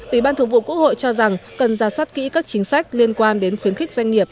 ủy ban thường vụ quốc hội cho rằng cần ra soát kỹ các chính sách liên quan đến khuyến khích doanh nghiệp